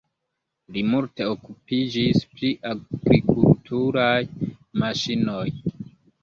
Li multe okupiĝis pri agrikulturaj maŝinoj.